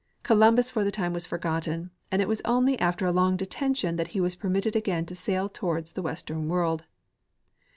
Columbus for the time was forgotten, and it was only after a long detention that he was permitted again to sail toward the western world.